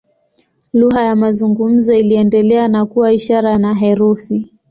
Lugha ya mazungumzo iliendelea na kuwa ishara na herufi.